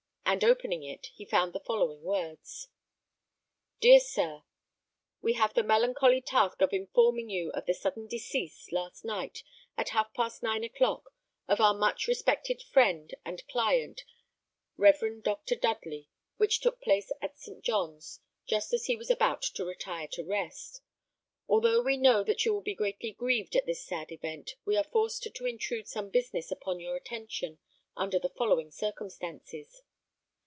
And opening it, he found the following words: "Dear Sir, "We have the melancholy task of informing you of the sudden decease, last night, at half past nine o'clock, of our much respected friend and client, the Rev. Dr. Dudley, which took place at St. John's, just as he was about to retire to rest. Although we know that you will be greatly grieved at this sad event, we are forced to intrude some business upon your attention under the following circumstances.